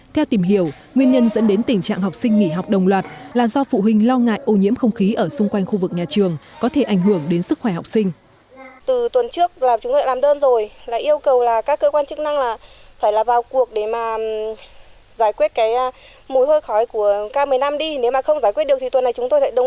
theo tìm hiểu nguyên nhân dẫn đến tình trạng học sinh nghỉ học đồng loạt là do phụ huynh lo ngại ô nhiễm không khí ở xung quanh khu vực nhà trường có thể ảnh hưởng đến sức khỏe học sinh